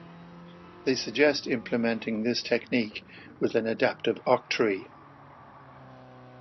They suggest implementing this technique with an adaptive octree.